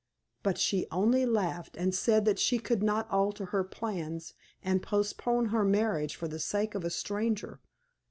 But she only laughed and said that she could not alter her plans and postpone her marriage for the sake of a stranger.